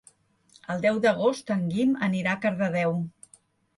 El deu d'agost en Guim anirà a Cardedeu.